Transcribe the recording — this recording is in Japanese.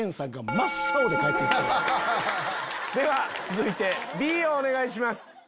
続いてＢをお願いします。